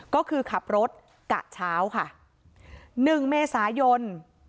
ก็คือขับรถกะเช้าค่ะหนึ่งเมษายน